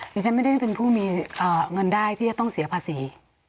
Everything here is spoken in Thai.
ดิฉันไม่ได้เป็นผู้มีเงินได้ที่จะต้องเสียภาษี